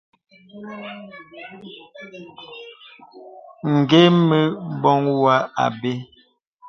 Ǹgə mə ìbɔŋ wɔ àbə.